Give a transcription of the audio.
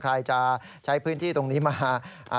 ใครจะใช้พื้นที่ตรงนี้มา